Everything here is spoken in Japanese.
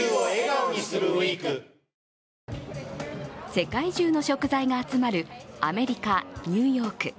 世界中の食材が集まるアメリカ・ニューヨーク。